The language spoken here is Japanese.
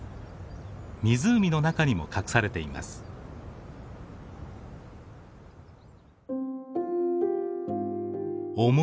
湖の中にも隠されています。